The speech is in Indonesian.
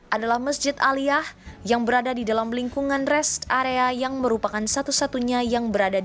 adalah masjid aliyah yang berada di dalam lingkungan rest area yang merupakan satu satunya masjid yang terkenal di kota